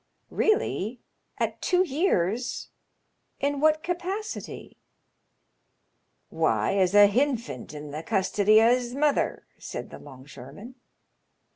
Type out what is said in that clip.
" Keally ! at two years. In what capacity ?"*^ Why, as a hinfant in the custody o' his mother," said the 'longshoreman.